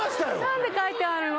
なんで書いてあるの？